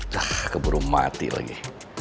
dah keburu mati lagi